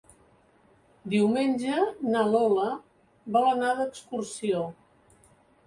Diumenge na Lola vol anar d'excursió.